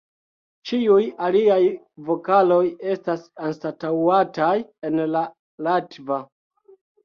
Ĉiuj aliaj vokaloj estas anstataŭataj en la latva.